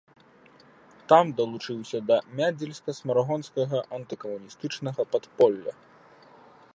Там далучыўся да мядзельска-смаргонскага антыкамуністычнага падполля.